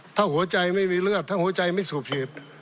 ถ้าหัวใจไม่มีเลือดถ้าหัวใจไม่สูบหีบ